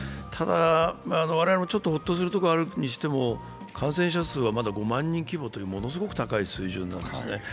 ただ、我々もちょっとホッとするところがあるにしても感染者数はまだ５万人規模というものすごい高い水準なんですね。